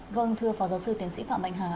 vâng thưa phó giáo sư tiến sĩ phạm mạnh hà